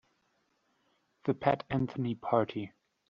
The Pat Anthony Party.